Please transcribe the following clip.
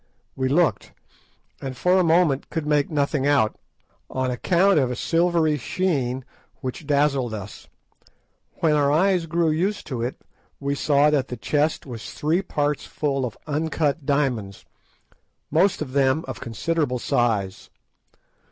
We looked, and for a moment could make nothing out, on account of a silvery sheen which dazzled us. When our eyes grew used to it we saw that the chest was three parts full of uncut diamonds, most of them of considerable size.